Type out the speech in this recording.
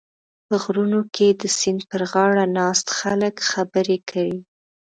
په غرونو کې د سیند پرغاړه ناست خلک خبرې کوي.